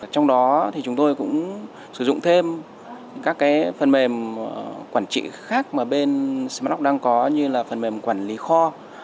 trong đó thì chúng tôi cũng sử dụng thêm các phần mềm quản trị khác mà bên smartlock đang có như là phần mềm quản lý kho